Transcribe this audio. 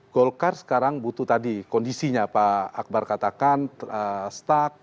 golkar sekarang butuh tadi kondisinya pak akbar katakan stuck